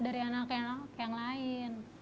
dari anak anak yang lain